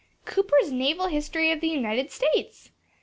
"Cooper's Naval History of the United States!